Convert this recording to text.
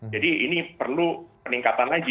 jadi ini perlu peningkatan lagi